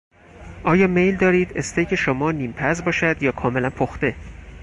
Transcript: آیا میل دارید " استیک" شما نیمپز باشد یا کاملا پخته؟